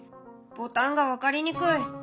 「ボタンが分かりにくい！」。